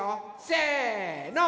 せの。